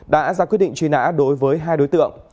đã ra quyết định truy nã đối với hai đối tượng